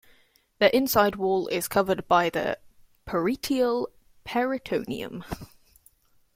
The inside wall is covered by the parietal peritoneum.